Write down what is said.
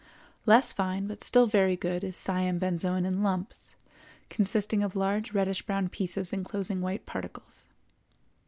Less fine but still very good is Siam benzoin in lumps, consisting of large reddish brown pieces inclosing white particles.